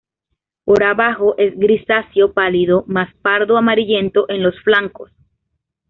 Por abajo es grisáceo pálido, más pardo amarillento en los flancos.